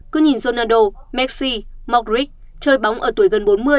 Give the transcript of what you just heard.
cứ nhìn ronaldo messi modric chơi bóng ở tuổi gần bốn mươi